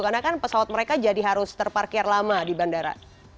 karena kan pesawat mereka jadi harus terparkir lama di bandara